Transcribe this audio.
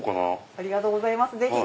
ありがとうございますぜひ。